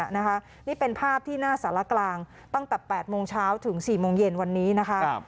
นี่เป็นภาพที่หน้าสารกลางตั้งแต่๘โมงเช้าถึง๔โมงเย็นวันนี้นะคะ